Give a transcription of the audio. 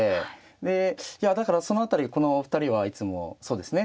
でいやだからその辺りこのお二人はいつもそうですね